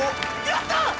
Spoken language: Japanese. やった！